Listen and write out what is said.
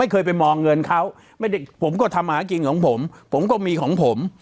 เคยไปมองเงินเขาผมก็ทำหากินของผมผมก็มีของผม